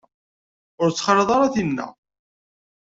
Ur ttxalaḍ ara tinna.